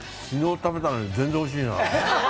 食べたのに、全然おいしいな。